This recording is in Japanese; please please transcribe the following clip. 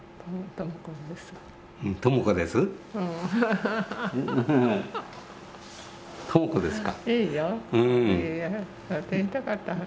朋子ですか。